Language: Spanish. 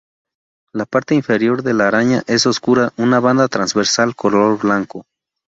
La parte inferior de la araña es oscura una banda transversal color blanco.